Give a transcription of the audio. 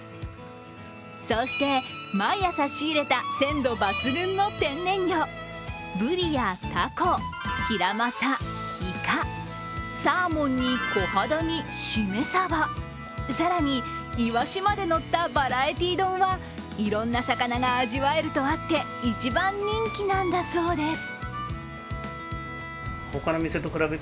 そうして毎朝仕入れた鮮度抜群の天然魚、ブリやタコ、ヒラマサ、イカ、サーモンにコハダにしめさば、更に、イワシまでのったバラエティ丼はいろんな魚が味わえるとあって、一番人気なんです。